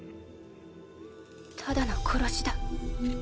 ただの殺しだ。